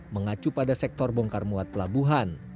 mengacu pada sektor bongkar muat pelabuhan